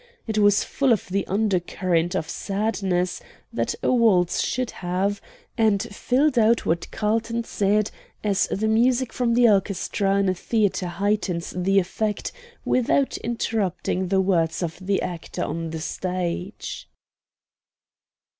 It was full of the undercurrent of sadness that a waltz should have, and filled out what Carlton said as the music from the orchestra in a theatre heightens the effect without interrupting the words of the actor on the stage.